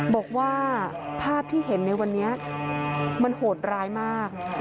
บอกว่าภาพที่เห็นในวันนี้มันโหดร้ายมาก